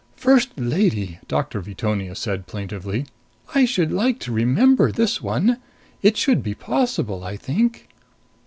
First Lady," Doctor Veetonia said plaintively, "I should like to remember this one! It should be possible, I think."